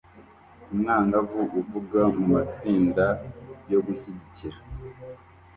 Umwangavu uvuga mumatsinda yo gushyigikira